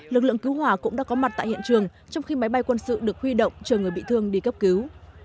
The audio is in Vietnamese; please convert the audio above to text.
lực lượng cứu hỏa cũng đã có mặt tại hiện trường trong khi máy bay quân sự được huy động chờ người bị thương đi cấp cứu